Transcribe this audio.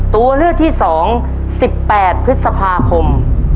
ตัวเลือกที่สองสิบแปดพฤษภาคม